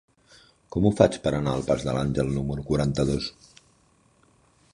Com ho faig per anar al pas de l'Àngel número quaranta-dos?